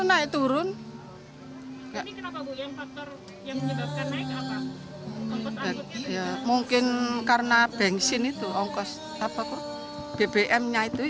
menyesuaikan dengan kenaikan harga bbm